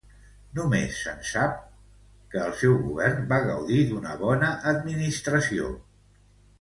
Només se'n sap que el seu govern va gaudir d'una bona administració.